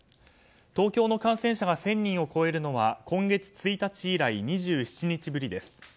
東京の感染者が１０００人を超えるのは今月１日以来２７日ぶりです。